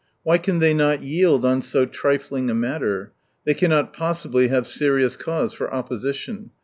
" Why can they not yield on so trifling a matter ? They cannot possibly have serious cause for opposition.